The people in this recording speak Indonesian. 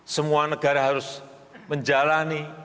semua negara harus menjalani